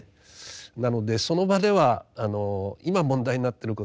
なのでその場では今問題になってること